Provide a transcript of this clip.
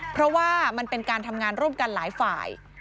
เพราะว่ามันเป็นการทำงานร่วมกันหลายฝ่าย